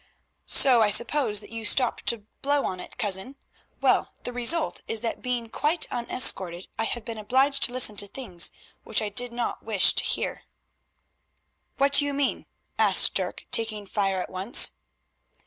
"So I suppose that you stopped to blow on it, cousin. Well, the result is that, being quite unescorted, I have been obliged to listen to things which I did not wish to hear." "What do you mean?" asked Dirk, taking fire at once.